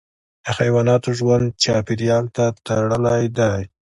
د حیواناتو ژوند چاپیریال ته تړلی دی.